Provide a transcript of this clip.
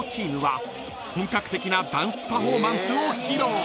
［本格的なダンスパフォーマンスを披露］